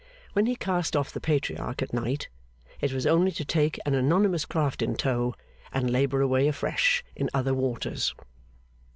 When he cast off the Patriarch at night, it was only to take an anonymous craft in tow, and labour away afresh in other waters.